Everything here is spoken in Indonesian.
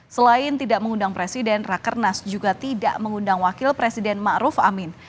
selain tidak mengundang presiden raker nas juga tidak mengundang wakil presiden ma ruf amin